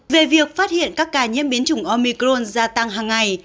về việc phát hiện các ca nhiễm biến chủng omicron gia tăng hàng ngày